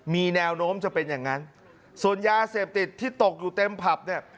มีแนวโน้มจะเป็นอย่างนั้นส่วนยาเสพติดที่ตกอยู่เต็มผับเนี่ย